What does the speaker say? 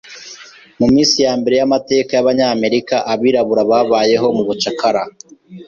Mu minsi ya mbere yamateka yabanyamerika, abirabura babayeho mubucakara.